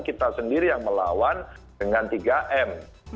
kita sendiri yang melawan dengan tiga m